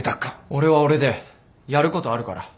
俺は俺でやることあるから。